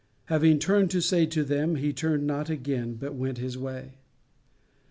Having turned to say them, he turned not again but went his way.